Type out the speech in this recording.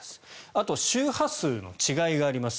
あと、周波数の違いがあります。